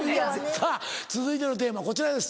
さぁ続いてのテーマこちらです。